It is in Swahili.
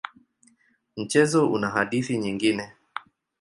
Mchezo una hadithi nyingine.